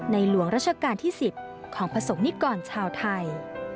หลวงราชการที่๑๐ของประสงค์นิกรชาวไทย